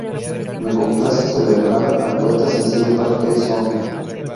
Me complace celebrar al poeta sencillo porque es hondo".